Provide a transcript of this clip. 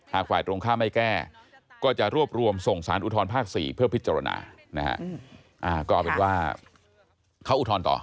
หากฝ่ายตรงข้ามไม่แก้ก็จะรวบรวมส่งสารอุทธรณ์ภาค๔เพื่อพิจารณา